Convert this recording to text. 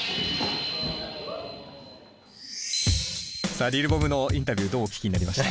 さあＬＩＬ’ＢＯＭのインタビューどうお聞きになりました？